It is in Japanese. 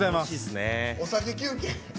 お酒休憩。